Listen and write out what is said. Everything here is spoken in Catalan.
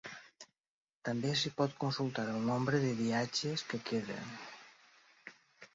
També s'hi pot consultar el nombre de viatges que queden.